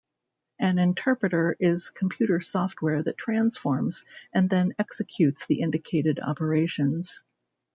An interpreter is computer software that transforms and then executes the indicated operations.